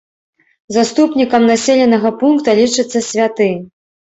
Заступнікам населенага пункта лічыцца святы.